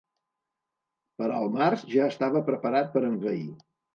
Per al març ja estava preparat per envair.